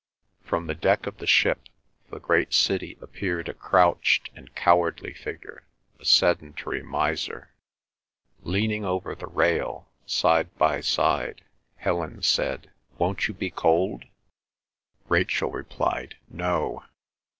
From the deck of the ship the great city appeared a crouched and cowardly figure, a sedentary miser. Leaning over the rail, side by side, Helen said, "Won't you be cold?" Rachel replied, "No.